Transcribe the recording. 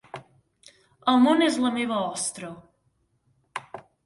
El món és la meva ostra